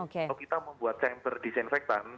kalau kita membuat chamber disinfektan